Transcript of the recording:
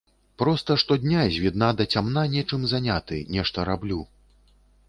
Проста штодня з відна да цямна нечым заняты, нешта раблю.